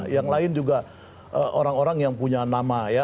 yang lain juga orang orang yang punya nama ya